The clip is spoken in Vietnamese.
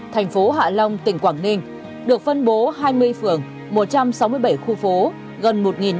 thành phố hạ long tỉnh quảng ninh được phân bố hai mươi phường một trăm sáu mươi bảy khu phố gần